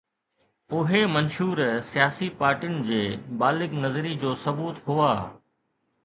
اهي منشور سياسي پارٽين جي بالغ نظري جو ثبوت هئا.